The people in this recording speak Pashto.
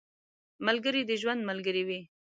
ملګری د ژوند ملګری وي